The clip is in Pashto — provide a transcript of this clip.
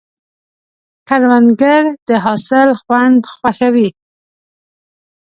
کروندګر د حاصل خوند خوښوي